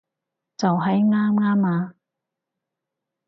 就喺啱啱啊